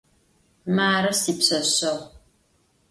Marı sipşseşseğu.